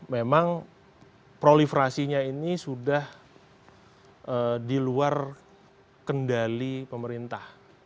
memang proliferasinya ini sudah di luar kendali pemerintah